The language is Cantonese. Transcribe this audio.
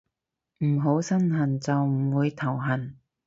唔好身痕就唔會頭痕